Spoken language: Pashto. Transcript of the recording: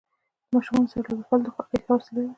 د ماشومانو سره لوبې کول د خوښۍ ښه وسیله ده.